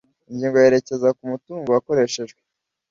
ingingo yerekeza kumutungo wakoreshejwe